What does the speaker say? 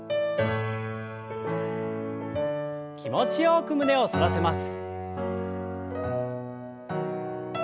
気持ちよく胸を反らせます。